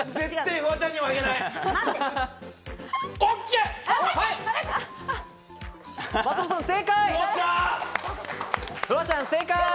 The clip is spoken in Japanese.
フワちゃん正解！